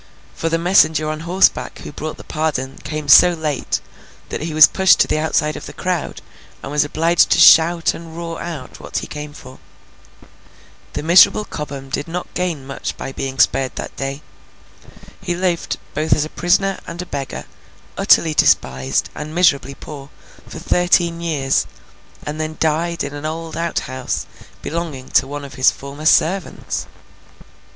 For, the messenger on horseback who brought the pardon, came so late, that he was pushed to the outside of the crowd, and was obliged to shout and roar out what he came for. The miserable Cobham did not gain much by being spared that day. He lived, both as a prisoner and a beggar, utterly despised, and miserably poor, for thirteen years, and then died in an old outhouse belonging to one of his former servants.